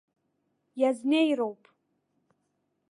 Иазнеироуп.